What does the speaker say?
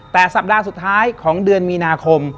แต่สัปดาห์สุดท้ายของเดือนมีนาคม